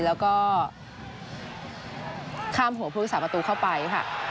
แล้วก็ค่ำหัวพลื่งสาปประตูเข้าไปค่ะ